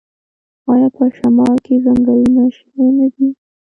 آیا په شمال کې ځنګلونه شنه نه دي؟